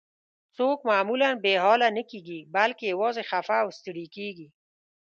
څوک معمولاً بې حاله نه کیږي، بلکې یوازې خفه او ستړي کیږي.